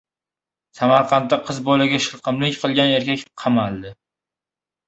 Samarqandda qiz bolaga shilqimlik qilgan erkak qamaldi